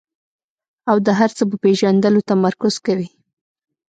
او د هر څه په پېژندلو تمرکز کوي.